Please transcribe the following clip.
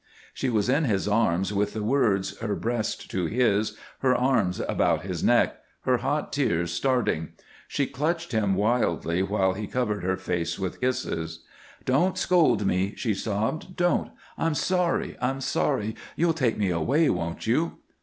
She was in his arms with the words, her breast to his, her arms about his neck, her hot tears starting. She clutched him wildly, while he covered her face with kisses. "Don't scold me," she sobbed. "Don't! I'm sorry, I'm sorry. You'll take me away, won't you?"